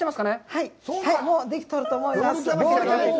はい、もうできてると思います。